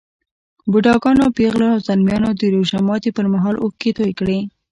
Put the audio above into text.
بوډاګانو، پېغلو او ځلمیانو د روژه ماتي پر مهال اوښکې توی کړې.